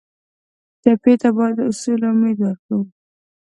ټپي ته باید د سولې امید ورکړو.